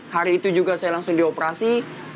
hari itu juga saya langsung di operasi